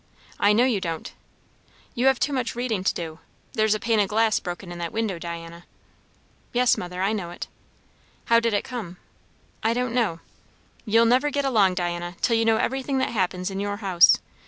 "I know you don't. You have too much readin' to do. There's a pane of glass broken in that window, Diana." "Yes, mother. I know it." "How did it come?" "I don't know." "You'll never get along, Diana, till you know everything that happens in your house.